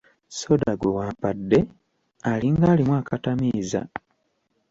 Soda gwe wampadde alinga alimu akatamiiza!